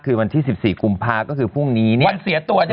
คือวันที่สิบสี่กุมภาคก็คือพรุ่งนี้เนี่ย